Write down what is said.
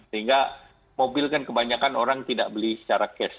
sehingga mobil kan kebanyakan orang tidak beli secara cash